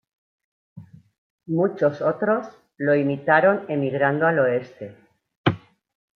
Muchos otros lo imitaron emigrando al oeste.